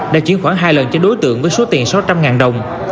đã chuyển khoảng hai lần cho đối tượng với số tiền sáu trăm linh đồng